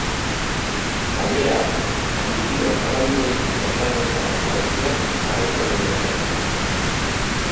Gainera, handikiro zabalduko dituzte lan horretako abestiak jarraitzaileen artean.